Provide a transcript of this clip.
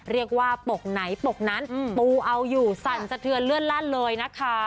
เรียกว่าปกไหนปกนั้นปูเอาอยู่สั่นสะเทือนเลื่อนลั่นเลยนะคะ